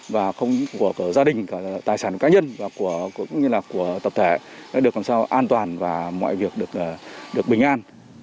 và không của gia đình tài sản cá nhân cũng như là của tập thể được làm sao an toàn và mọi việc được bình an